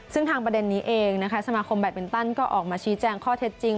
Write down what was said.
ซึ่งทางประเด็นนี้เองนะคะสมาคมแบตมินตันก็ออกมาชี้แจงข้อเท็จจริง